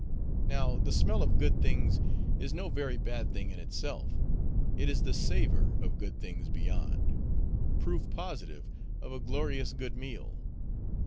Now, the smell of good things is no very bad thing in itself. It is the savor of good things beyond; proof positive of a glorious good meal.